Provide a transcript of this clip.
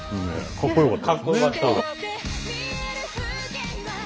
かっこよかった。